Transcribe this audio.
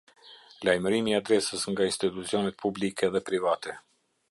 Lajmërimi i adresës nga institucionet publike dhe private.